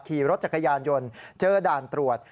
ขี่รถจักรยานยนต์เจอด่านตรวจ